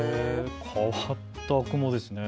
変わった雲ですね。